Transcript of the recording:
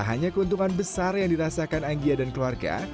tak hanya keuntungan besar yang dirasakan anggia dan keluarga